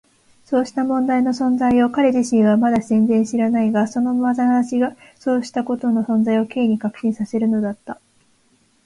そうした問題の存在を彼自身はまだ全然知らないが、そのまなざしがそうしたことの存在を Ｋ に確信させるのだった。